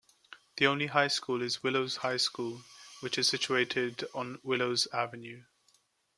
The only high school is Willows High School which is situated on Willows avenue.